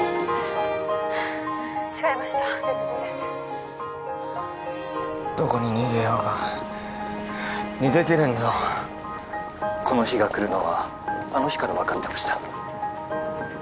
違いました別人です☎どこに逃げようが逃げきれんぞこの日が来るのはあの日から分かってました